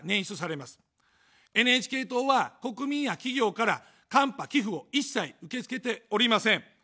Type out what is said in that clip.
ＮＨＫ党は国民や企業からカンパ、寄付を一切受け付けておりません。